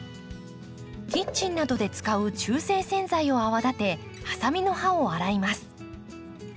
キッチンなどで使う中性洗剤を泡立てハサミの刃を洗います。